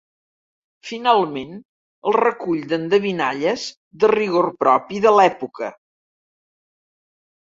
Finalment, el recull d'endevinalles de rigor propi de l'època.